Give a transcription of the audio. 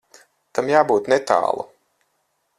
Tam jābūt netālu.